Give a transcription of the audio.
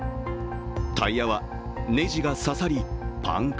タイやはネジが刺さり、パンク。